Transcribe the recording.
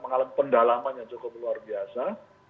mengalami pendalaman yang cukup luar biasa